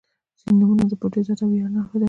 • ځینې نومونه د پت، عزت او ویاړ نښه ده.